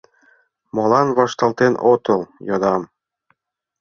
— Молан вашталтен отыл? — йодам.